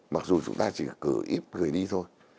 mặc dù chúng ta chỉ cử ít người đi thôi